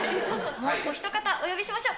もうお一方、お呼びしましょう。